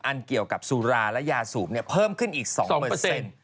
เกี่ยวกับสุราและยาสูบเพิ่มขึ้นอีก๒เปอร์เซ็นต์